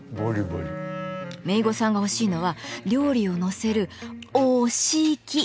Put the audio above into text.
めいごさんが欲しいのは料理を載せるお・し・き。